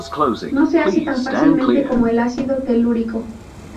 No se hace tan fácilmente como el ácido telúrico.